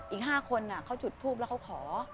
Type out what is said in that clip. อีก๕คนเขาจุดทูปแล้วเขาขอ